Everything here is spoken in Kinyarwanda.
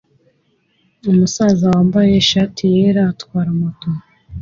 Umusaza wambaye ishati yera atwara moto